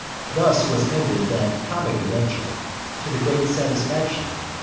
Thus was ended that comic adventure, to the great satisfaction of M.